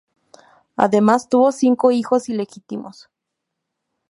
Además tuvo cinco hijos ilegítimos.